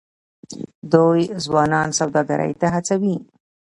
دوی ځوانان سوداګرۍ ته هڅوي.